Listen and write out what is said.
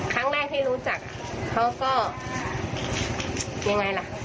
ครั้งแรกที่รู้จักเขาก็ยังไงล่ะ